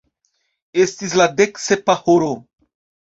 Estis la dek sepa horo.